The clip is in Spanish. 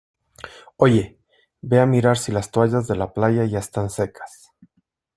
Oye, ve a mirar si las toallas de la playa ya están secas.